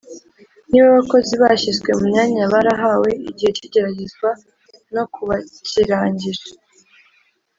Niba abakozi bashyizwe mu myanya barahawe igihe cy igeragezwa no kubakirangije